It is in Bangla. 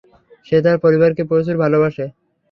সে তার পরিবারকে প্রচুর ভালোবাসে।